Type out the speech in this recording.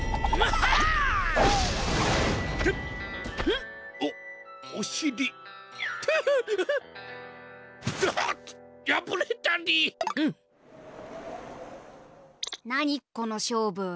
この勝負。